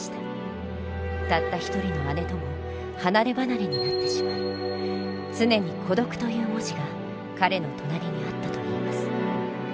たった一人の姉とも離れ離れになってしまい常に「孤独」という文字が彼の隣にあったといいます。